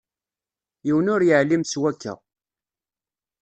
Yiwen ur yeεlim s wakka.